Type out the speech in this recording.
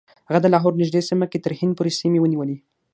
هغه د لاهور نږدې سیمه کې تر هند پورې سیمې ونیولې.